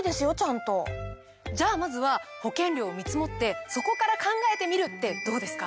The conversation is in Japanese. じゃあまずは保険料を見積ってそこから考えてみるってどうですか？